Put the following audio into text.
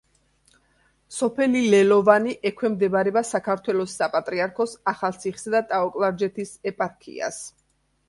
სოფელი ლელოვანი ექვემდებარება საქართველოს საპატრიარქოს ახალციხისა და ტაო-კლარჯეთის ეპარქიას.